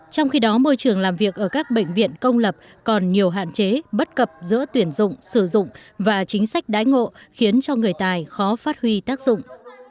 trong khi đó môi trường làm việc ở các bệnh viện công lập còn nhiều hạn chế bất cập giữa tuyển dụng sử dụng và chính sách đái ngộ khiến cho người tài khó phát huy tác dụng